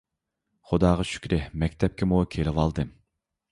خۇداغا شۈكرى، مەكتەپكىمۇ كېلىۋالدىم.